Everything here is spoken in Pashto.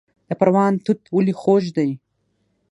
د پروان توت ولې خوږ دي؟